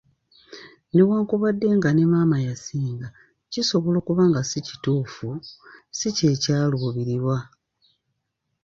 Newankubadde nga ne 'maama yasinga' kisobola okuba ekituufu, si kye kyaluubirirwa.